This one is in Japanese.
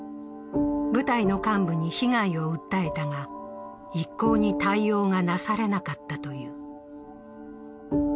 部隊の幹部に被害を訴えたが、一向に対応がなされなかったという。